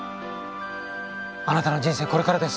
あなたの人生これからです。